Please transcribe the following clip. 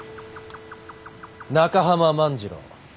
中濱万次郎